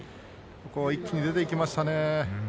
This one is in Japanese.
一気に出ていきましたね。